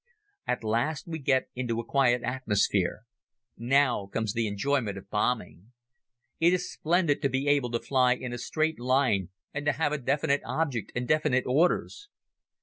At last we get into a quiet atmosphere. Now comes the enjoyment of bombing. It is splendid to be able to fly in a straight line and to have a definite object and definite orders.